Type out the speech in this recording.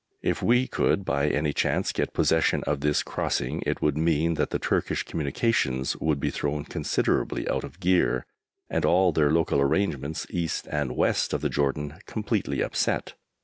If we could, by any chance, get possession of this crossing, it would mean that the Turkish communications would be thrown considerably out of gear, and all their local arrangements East and West of the Jordan completely upset.